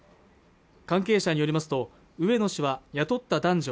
関係者によりますと植野氏は雇った男女